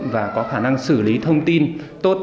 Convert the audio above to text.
và có khả năng xử lý thông tin tốt